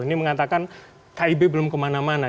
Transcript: ini mengatakan kib belum kemana mana